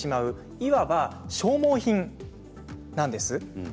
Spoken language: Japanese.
いわば、消耗品なんです。